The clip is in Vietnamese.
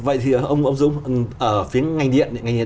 vậy thì ông dũng ở phía ngành điện